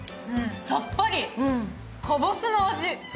さっぱりかぼすの味。